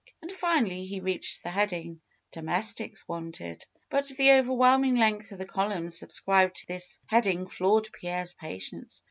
And finally he reached the heading, ^^Domestics Wanted." But the overwhelming length of the columns subscribed to this heading floored Pierre's patience.